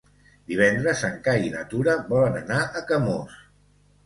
Divendres en Cai i na Tura volen anar a Camós.